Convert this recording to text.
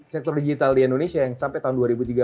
sektor digital di indonesia yang sampai tahun dua ribu tiga puluh